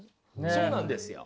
そうなんですよ。